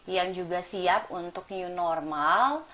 yang juga siap untuk new normal